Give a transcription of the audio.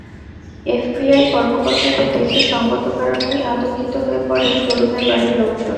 FBI কর্মকর্তাদের দেখে সংগত কারণেই আতঙ্কিত হয়ে পড়েন তরুণের বাড়ির লোকজন।